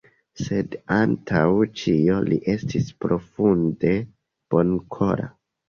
Sed antaŭ ĉio li estis profunde bonkora.